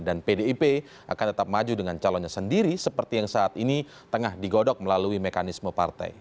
dan pdip akan tetap maju dengan calonnya sendiri seperti yang saat ini tengah digodok melalui mekanisme partai